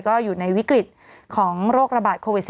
ก็อยู่ในวิกฤตของโรคระบาดโควิด๑๙